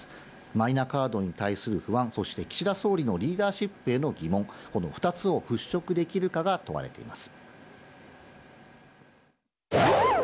マイナカードに対する不安、そして岸田総理のリーダーシップへの疑問、この２つを払拭できるかが問われています。